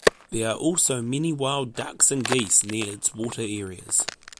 There are also many wild ducks and geese near its water areas.